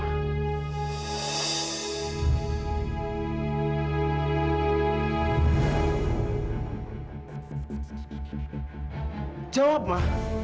kamilah kan ma